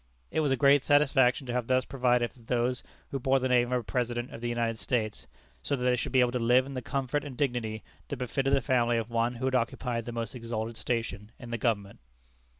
It was a great satisfaction to have thus provided for those who bore the name of a President of the United States, so that they should be able to live in the comfort and dignity that befitted the family of one who had occupied the most exalted station in the government.